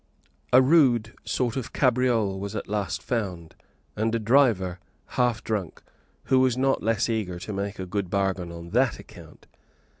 A rude sort of cabriole was at last found, and a driver half drunk, who was not less eager to make a good bargain on that account.